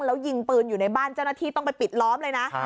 แล้วยิงปืนอยู่ในบ้านเจ้าหน้าที่ต้องไปปิดล้อมเลยนะ